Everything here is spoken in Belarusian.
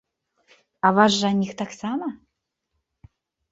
А ваш жаніх таксама?